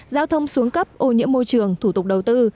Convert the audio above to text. giao thông xuống cấp ô nhiễm môi trường thủ tục đầu tư